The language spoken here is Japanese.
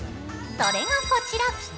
それがこちら。